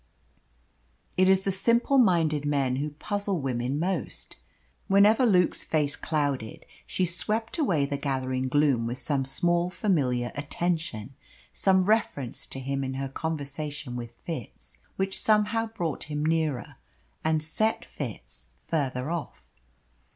It is the simple minded men who puzzle women most. Whenever Luke's face clouded she swept away the gathering gloom with some small familiar attention some reference to him in her conversation with Fitz which somehow brought him nearer and set Fitz further off.